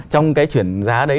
trong cái chuyển giá đấy